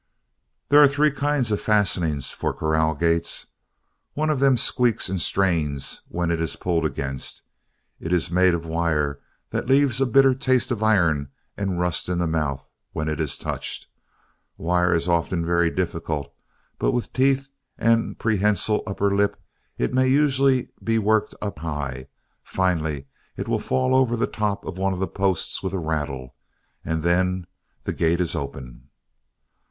There are three kinds of fastenings for corral gates. One of them squeaks and strains when it is pulled against. It is made of wire that leaves a bitter taste of iron and rust in the mouth when it is touched. Wire is often very difficult but with teeth and prehensile upper lip it may usually be worked up high, and finally it will fall over the top of one of the posts with a rattle, and then the gate is open.